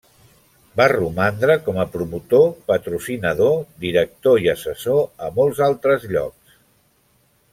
Va romandre com a promotor, patrocinador, director i assessor a molts altres llocs.